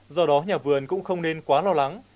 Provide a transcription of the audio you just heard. do đó nhà vườn cũng không nên quá lo lắng